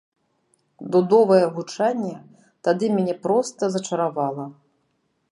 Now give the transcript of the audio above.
Дудовае гучанне тады мяне проста зачаравала.